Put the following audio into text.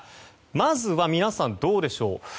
まずは、皆さんどうでしょう。